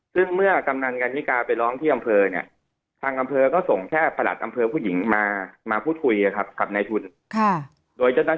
ซึ่งเมื่อกำนันกรรมิการไปร้องที่อำเภอเนี่ย